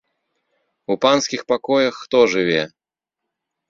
У панскіх пакоях хто жыве?